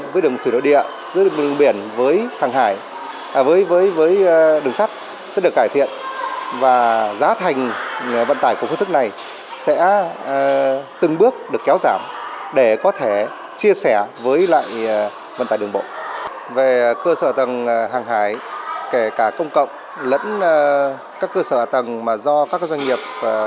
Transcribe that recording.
với lại vận tài đường bộ về cơ sở tầng hàng hải kể cả công cộng lẫn các cơ sở tầng do các doanh nghiệp